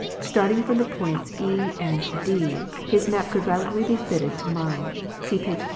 Starting from the points E and D, his map could readily be fitted to mine (see page 54).